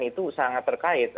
itu sangat terkait